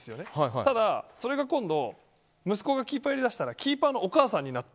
ただ、これが今度息子がキーパーをやりだしたらキーパーのお母さんになって。